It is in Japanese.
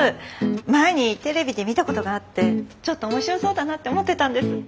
前にテレビで見たことがあってちょっと面白そうだなって思ってたんです。